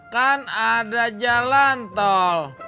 kan ada jalan tol